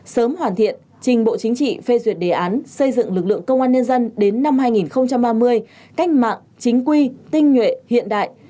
sớm hoàn thiện trình bộ chính trị phê duyệt đề án xây dựng lực lượng công an nhân dân đến năm hai nghìn ba mươi cách mạng chính quy tinh nhuệ hiện đại